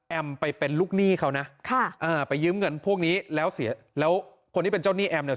ไปเป็นลูกหนี้เขานะค่ะอ่าไปยืมเงินพวกนี้แล้วเสียแล้วคนที่เป็นเจ้าหนี้แอมเนี่ย